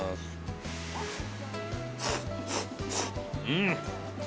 うん！